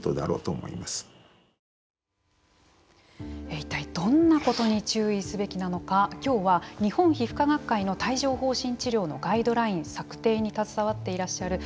一体どんなことに注意すべきなのか今日は日本皮膚科学会の帯状ほう疹治療のガイドライン策定に携わっていらっしゃいます